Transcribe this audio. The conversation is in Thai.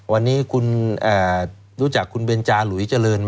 วันนี้คุณรู้จักคุณเบนจาหลุยเจริญ